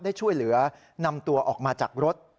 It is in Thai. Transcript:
ได้ช่วยเหลือนำตัวออกมาจากรถ